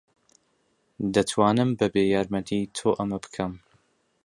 دەتوانم بەبێ یارمەتیی تۆ ئەمە بکەم.